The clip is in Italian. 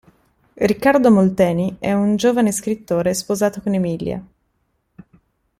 Riccardo Molteni è un giovane scrittore sposato con Emilia.